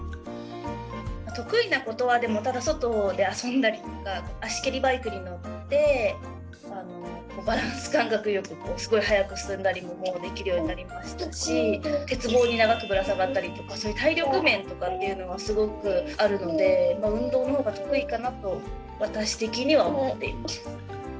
得意なことは外で遊んだりとか足蹴りバイクに乗ってバランス感覚よくすごい速く進んだりももうできるようになりましたし鉄棒に長くぶら下がったりとかそういう体力面とかがすごくあるので運動の方が得意かなと私的には思っています。